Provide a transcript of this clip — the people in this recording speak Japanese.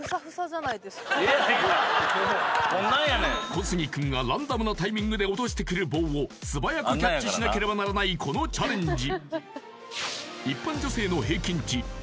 小杉くんがランダムなタイミングで落としてくる棒を素早くキャッチしなければならないこのチャレンジ